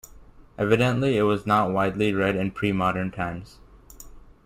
Evidently it was not widely read in pre-modern times.